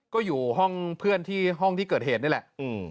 ก็อยู่ห้องเพื่อนที่ห้องที่เกิดเหตุนี่แหละ